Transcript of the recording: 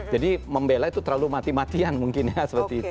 jadi membela itu terlalu mati matian mungkin ya seperti itu